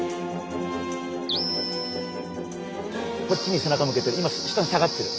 こっちに背中向けてる。